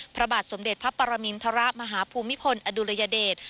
พระบาทสมเด็จพระปรมินทรมาฮภูมิพลอดุลยเดช